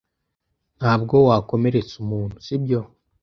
Ntabwo wakomeretsa umuntu, sibyo?